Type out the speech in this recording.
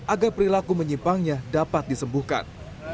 agar perilaku menyimpangnya dapat disembuhkan